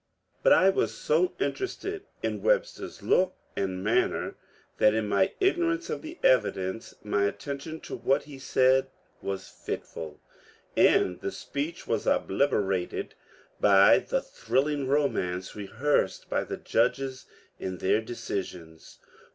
But I was so interested in Webster's look and manner that, in my ignorance of the evidenoe, my attention to what he said was fitful, and the speech was obliterated by the thrilling romance rehearsed by the judges in their decisions.